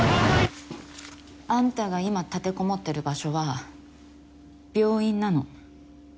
あんたが今立てこもってる場所は病院なの。